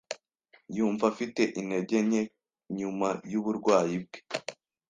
Yumva afite intege nke nyuma yuburwayi bwe.